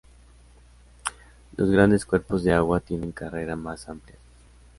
Los grandes cuerpos de agua tienen carreras más amplias.